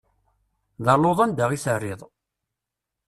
D aluḍ anda i terriḍ.